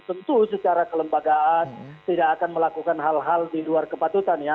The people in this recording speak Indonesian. tentu secara kelembagaan tidak akan melakukan hal hal di luar kepatutan ya